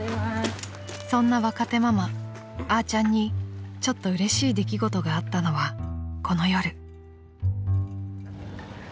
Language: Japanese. ［そんな若手ママあーちゃんにちょっとうれしい出来事があったのはこの夜］